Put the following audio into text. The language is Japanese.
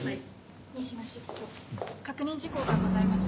新島室長確認事項がございます。